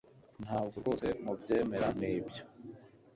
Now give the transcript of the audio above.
Ntabwo rwose mubyemera nibyo